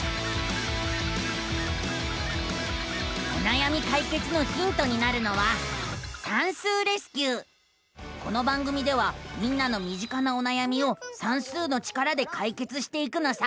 おなやみかいけつのヒントになるのはこの番組ではみんなのみ近なおなやみを算数の力でかいけつしていくのさ！